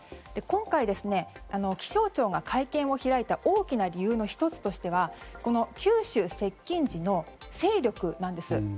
今回、気象庁が会見を開いた大きな理由の１つとしてはこの九州接近時の勢力なんです。